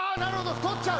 太っちゃう。